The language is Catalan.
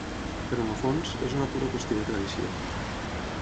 Però en el fons, és una pura qüestió de tradició.